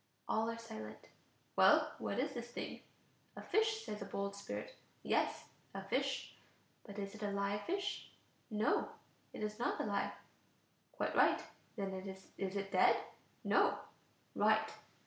All are silent. "Well, what is this thing?" "A fish," says a bold spirit "Yes, a fish. But is it a live fish?" "No, it is not alive." "Quite right. Then is it dead?" "No." "Right.